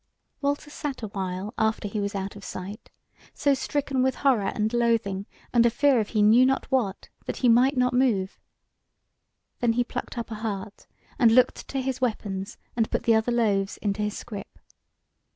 Walter sat a while after he was out of sight, so stricken with horror and loathing and a fear of he knew not what, that he might not move. Then he plucked up a heart, and looked to his weapons and put the other loaves into his scrip.